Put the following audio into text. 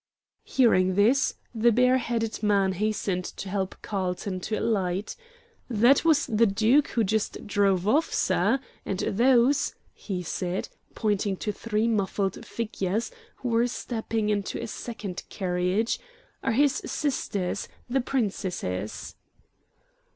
Hearing this, the bareheaded man hastened to help Carlton to alight. "That was the Duke who just drove off, sir; and those," he said, pointing to three muffled figures who were stepping into a second carriage, "are his sisters, the Princesses."